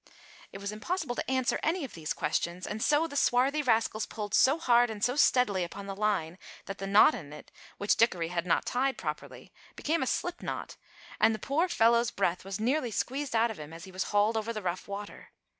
It was impossible to answer any of these questions, and so the swarthy rascals pulled so hard and so steadily upon the line that the knot in it, which Dickory had not tied properly, became a slipknot, and the poor fellow's breath was nearly squeezed out of him as he was hauled over the rough water.